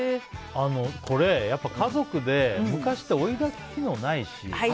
これ、やっぱり家族で昔って追いだき機能がないし。